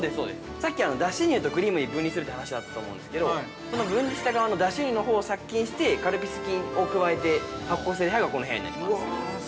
さっき脱脂乳とクリームに分離するという話があったと思うんですけど、その分離した側の脱脂乳のほうを殺菌して、カルピス菌を加えて、発酵している部屋が、この部屋になります。